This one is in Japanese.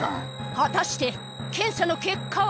果たして検査の結果は？